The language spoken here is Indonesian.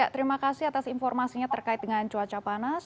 terima kasih atas informasinya terkait dengan cuaca panas